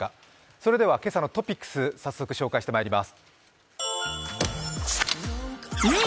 それでは今朝のトピックスを早速紹介してまいります。